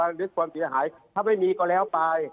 หรือความเสียหายถ้าไม่มีก็แล้วไป